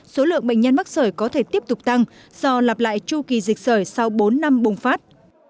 số lượng bệnh nhân mắc sởi có thể tiếp tục tăng do lặp lại chu kỳ dịch sởi sau bốn năm bùng phát